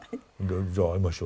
じゃあ会いましょう。